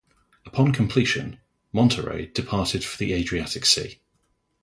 Upon completion, "Monterey" departed for the Adriatic Sea.